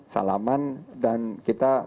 salaman dan kita